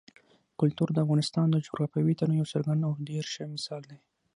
کلتور د افغانستان د جغرافیوي تنوع یو څرګند او ډېر ښه مثال دی.